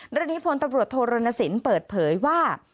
เรื่องนี้พลตำรวจโทรณสินเปิดเผยว่า